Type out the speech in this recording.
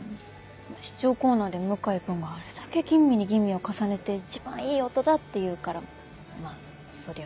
試聴コーナーで向井君があれだけ吟味に吟味を重ねて「一番いい音だ」って言うからまぁそりゃ。